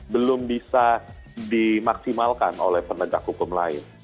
belum bisa dimaksimalkan oleh penegak hukum lain